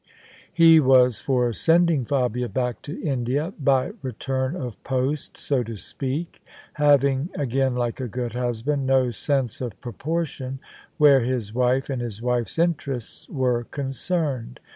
He was for sending Fabia back to India by return of post, so to speak, having (again like a good husband) no sense of proportion where his wife and his wife's interests were concerned.